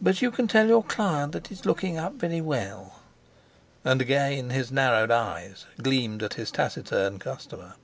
But you can tell your client that it's looking up very well." And again his narrowed eyes gleamed at his taciturn customer.